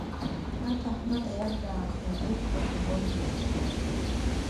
Аҭаҳмада иажәа аахнажәеит Прудников иҭаҷкәым.